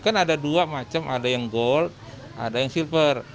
kan ada dua macam ada yang gold ada yang silver